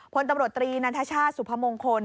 พลตำรวจตรีนันทชาติสุพมงคล